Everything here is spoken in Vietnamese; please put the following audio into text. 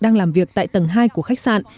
đang làm việc tại tầng hai của khách sạn